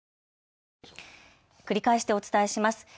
繰り返してお伝えします。